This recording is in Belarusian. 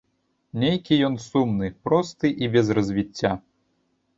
Нейкі ён сумны, просты і без развіцця.